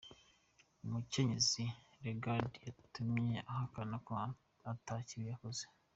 Umukenyezi Lagarde yagumye ahakana ko ata kibi yakoze.